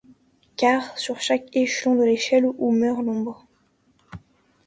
Car, sur chaque échelon de l’échelle où meurt l’ombre